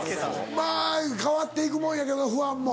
まぁ変わって行くもんやけどファンも。